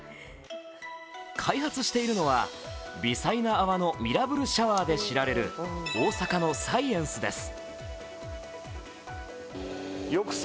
開発しているのは、微細な泡のミラブルシャワーで知られる大阪のサイエンスです。